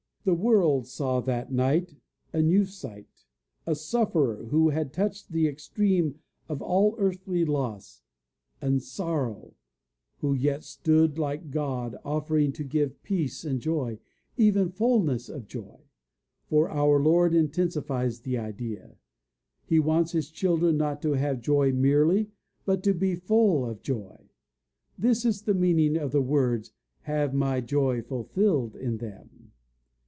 The world saw that night a new sight a sufferer who had touched the extreme of all earthly loss and sorrow, who yet stood, like a God, offering to give Peace and Joy even fullness of joy. For our Lord intensifies the idea. He wants his children not to have joy merely, but to be full of joy. This is the meaning of the words to "have my joy fulfilled in them."